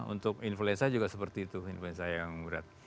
untuk influenza juga seperti itu influenza yang berat